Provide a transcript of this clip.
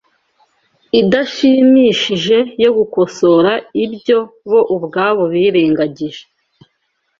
idashimishije yo gukosora ibyo bo ubwabo birengagije